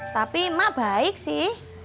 tapi mak baik sih